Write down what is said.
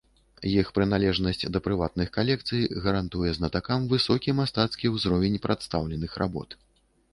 Іх прыналежнасць да прыватных калекцый гарантуе знатакам высокі мастацкі ўзровень прадстаўленых работ.